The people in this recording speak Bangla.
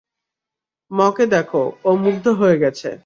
ম কে দেখো, ও মুগ্ধ হয়ে গেছে।